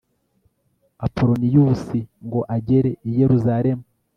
apoloniyusi, ngo agere i yeruzalemu